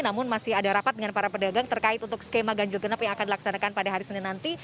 namun masih ada rapat dengan para pedagang terkait untuk skema ganjil genap yang akan dilaksanakan pada hari senin nanti